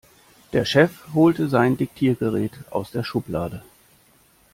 Der Chef holte sein Diktiergerät aus der Schublade.